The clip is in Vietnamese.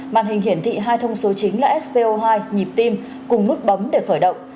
màn hình hiển thị hai thông số chính là spo hai nhịp tim cùng nút bấm để khởi động